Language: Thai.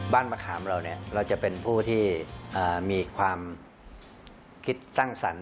มะขามเราเนี่ยเราจะเป็นผู้ที่มีความคิดสร้างสรรค์